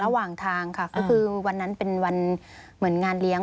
ระหว่างทางค่ะก็คือวันนั้นเป็นวันเหมือนงานเลี้ยง